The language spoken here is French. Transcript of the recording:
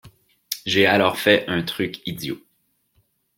J’ai alors fait un truc idiot.